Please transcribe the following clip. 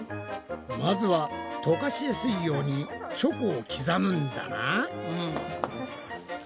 まずはとかしやすいようにチョコを刻むんだな。